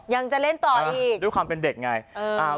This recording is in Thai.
ยังจะเล่นต่ออีกด้วยความเป็นเด็กไง